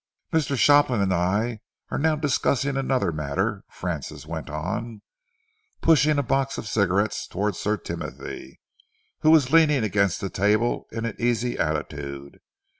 "Mr. Shopland and I are now discussing another matter," Francis went on, pushing a box of cigarettes towards Sir Timothy, who was leaning against the table in an easy attitude.